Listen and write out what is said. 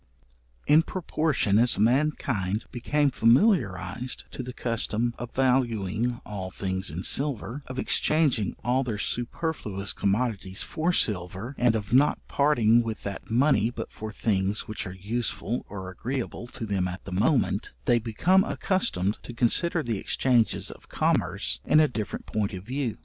In proportion as mankind became familiarized to the custom of valuing all things in silver, of exchanging all their superfluous commodities for silver, and of not parting with that money but for things which are useful or agreeable to them at the moment, they become accustomed to consider the exchanges of commerce in a different point of view.